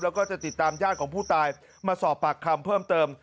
แล้วก็จะติดตามญาติของผู้ตายมาสอบปากคำเพิ่มเติม